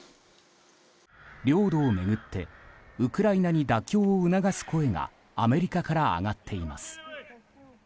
領土を巡ってウクライナに妥協を促す声がアメリカから上がっています。